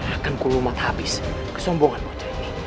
akan ku umat habis kesombongan bocah ini